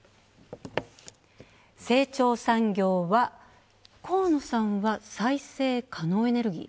成長産業は、河野さんは、再生可能エネルギー。